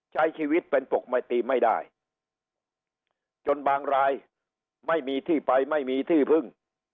ใช้ชีวิตเป็นปกติไม่ได้จนบางรายไม่มีที่ไปไม่มีที่พึ่ง